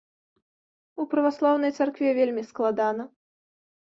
У праваслаўнай царкве вельмі складана.